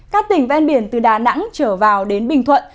các tỉnh ven biển từ đà nẵng trở vào đến bình thuận